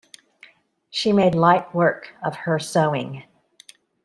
She made light work of her sewing.